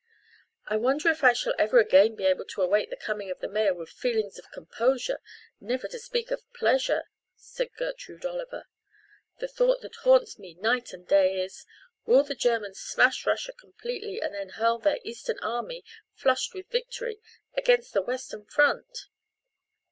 "I wonder if I shall ever again be able to await the coming of the mail with feelings of composure never to speak of pleasure," said Gertrude Oliver. "The thought that haunts me night and day is will the Germans smash Russia completely and then hurl their eastern army, flushed with victory, against the western front?"